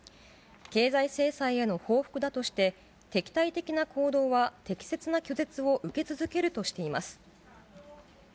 経済制裁への報復だとして、敵対的な行動は、適切な拒絶を受け続けるとしています。